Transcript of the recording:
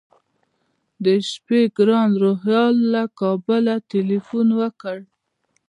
د شپې ګران روهیال له کابله تیلفون وکړ.